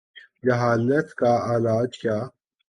جہالت کا علاج کیا؟